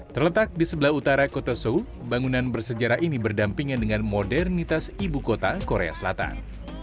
terletak di sebelah utara kota seoul bangunan bersejarah ini berdampingan dengan modernitas ibu kota korea selatan